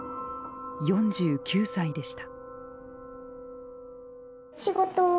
４９歳でした。